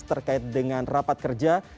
terkait dengan rapat kerja